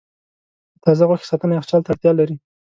د تازه غوښې ساتنه یخچال ته اړتیا لري.